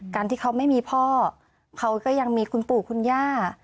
การที่เขาไม่มีพ่อเขาก็ยังมีคุณปู่คุณย่า